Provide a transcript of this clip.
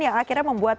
yang akhirnya membuat